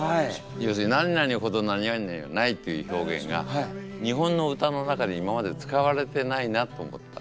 要するに「なになにほどなになにでない」っていう表現が日本の歌の中で今まで使われてないなと思った。